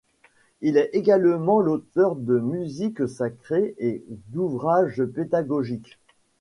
Il est également l'auteur de musiques sacrées et d'ouvrages pédagogiques.